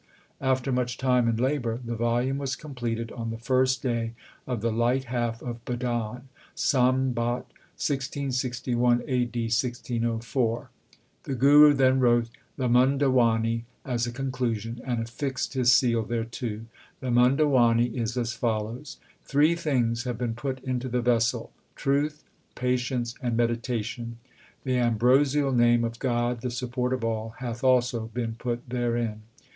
After much time and labour the volume was completed on the first day of the light half of Bhadon, Sambat 1661 (A.D. 1604). The Guru then wrote the Mundawani as a con clusion, and affixed his seal thereto. The Munda wani is as follows : Three things have been put into the vessel l truth, patience, and meditation. The ambrosial name of God the support of all hath also been put therein.